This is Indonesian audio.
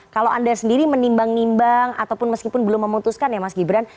kalau anda sendiri menimbang nimbang ataupun meskipun belum memutuskan ya mas gibran